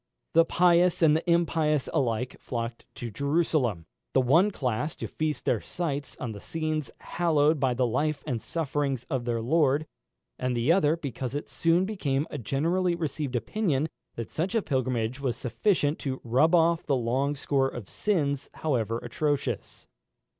The pious and the impious alike flocked to Jerusalem, the one class to feast their sight on the scenes hallowed by the life and sufferings of their Lord, and the other, because it soon became a generally received opinion, that such a pilgrimage was sufficient to rub off the long score of sins, however atrocious.